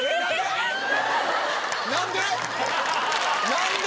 ・何で？